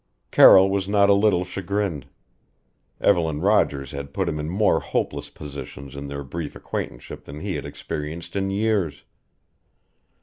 Carroll was not a little chagrined. Evelyn Rogers had put him in more hopeless positions in their brief acquaintanceship than he had experienced in years.